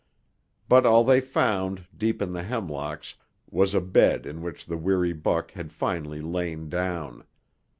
But all they found, deep in the hemlocks, was a bed in which the weary buck had finally lain down.